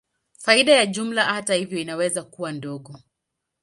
Faida ya jumla, hata hivyo, inaweza kuwa ndogo.